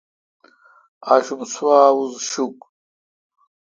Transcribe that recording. آݭم سوا اوز شوکھ۔